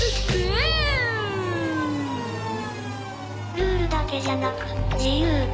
ルールだけじゃなく自由。